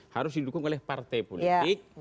harus didukung oleh partai politik